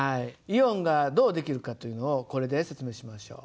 イオンがどう出来るかというのをこれで説明しましょう。